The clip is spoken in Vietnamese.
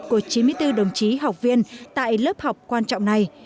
của chín mươi bốn đồng chí học viên tại lớp học quan trọng này